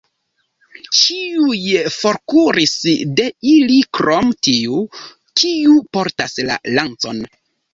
Ĉiuj forkuris de ili krom tiu, kiu portas la lancon.